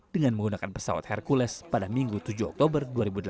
dengan menggunakan pesawat hercules pada minggu tujuh oktober dua ribu delapan belas